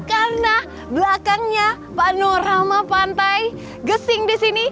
karena belakangnya panorama pantai gesing di sini